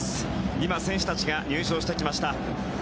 今、選手たちが入場してきました。